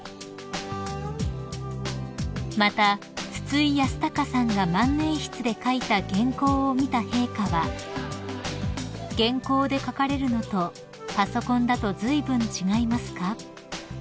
［また筒井康隆さんが万年筆で書いた原稿を見た陛下は「原稿で書かれるのとパソコンだとずいぶん違いますか？」